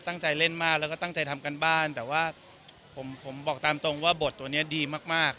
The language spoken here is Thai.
ตั้งใจเล่นมากแล้วก็ตั้งใจทำการบ้านแต่ว่าผมผมบอกตามตรงว่าบทตัวนี้ดีมากมาก